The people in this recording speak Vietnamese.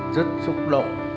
rất xúc động